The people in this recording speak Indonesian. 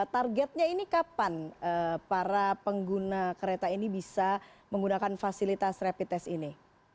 targetnya ini kapan para pengguna kereta ini bisa menggunakan fasilitas rapid test ini